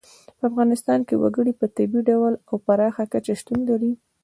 په افغانستان کې وګړي په طبیعي ډول او پراخه کچه شتون لري.